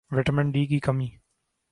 vitamin D کی کمی